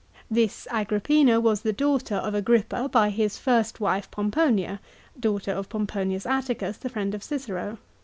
This Agrippina was the daughter of Agrippa by his first wife Pomponia (daughter of Pom nonius Atticus, the friend of Cicero).